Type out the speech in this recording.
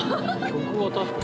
曲は確かに。